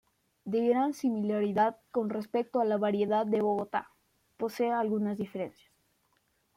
De gran similaridad con respecto a la variedad de Bogotá, posee algunas diferencias.